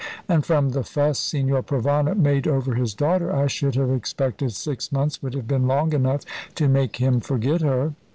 And from the fuss Signor Provana made over his daughter, I should have expected six months would have been long enough to make him forget her."